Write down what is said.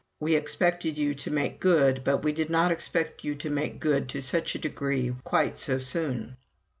We expected you to make good, but we did not expect you to make good to such a degree quite so soon."